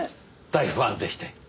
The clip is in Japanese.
大ファンでして。